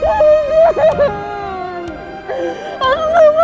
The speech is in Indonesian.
papa baru menjara papa